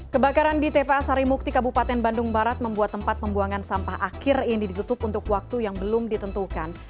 kebakaran di tpa sarimukti kabupaten bandung barat membuat tempat pembuangan sampah akhir ini ditutup untuk waktu yang belum ditentukan